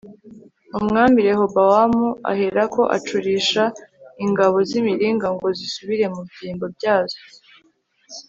umwami rehobowamu aherako acurisha ingabo z'imiringa ngo zisubire mu byimbo byazo